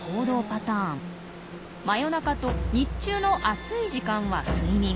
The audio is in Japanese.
真夜中と日中の暑い時間は睡眠。